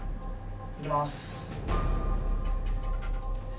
いきます。